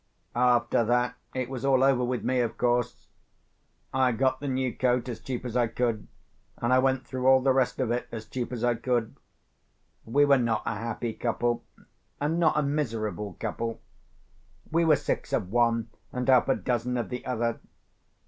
After that it was all over with me, of course. I got the new coat as cheap as I could, and I went through all the rest of it as cheap as I could. We were not a happy couple, and not a miserable couple. We were six of one and half a dozen of the other.